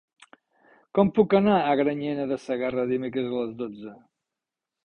Com puc anar a Granyena de Segarra dimecres a les dotze?